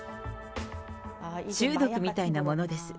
中毒みたいなものです。